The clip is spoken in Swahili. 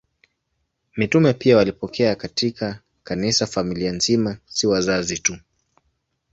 Mitume pia walipokea katika Kanisa familia nzima, si wazazi tu.